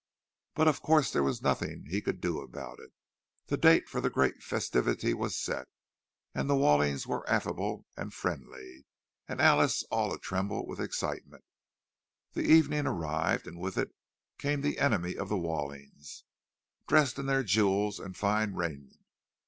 But of course there was nothing he could do about it. The date for the great festivity was set; and the Wallings were affable and friendly, and Alice all a tremble with excitement. The evening arrived, and with it came the enemies of the Wallings, dressed in their jewels and fine raiment.